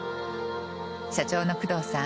社長の工藤さん